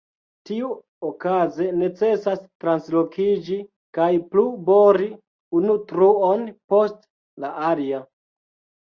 Tiuokaze necesas translokiĝi kaj plu bori unu truon post la alia.